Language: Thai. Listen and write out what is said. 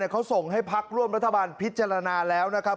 เขาส่งให้พักร่วมรัฐบาลพิจารณาแล้วนะครับ